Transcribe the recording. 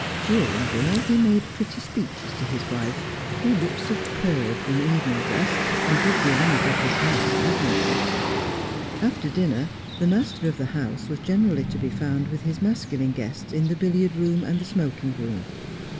During dinner he made pretty speeches to his wife, who looked superb in evening dress, and did the honours of his house admirably. After dinner the master of the house was general Iv to be found with his masculine attests 66 Jwsi as I Am. in the billiard room and the smoking room.